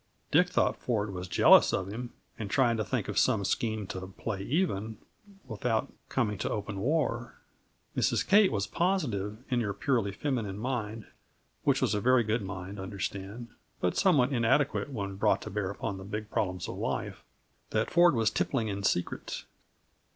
Dick thought Ford was jealous of him, and trying to think of some scheme to "play even," without coming to open war. Mrs. Kate was positive, in her purely feminine mind which was a very good mind, understand, but somewhat inadequate when brought to bear upon the big problems of life that Ford was tippling in secret.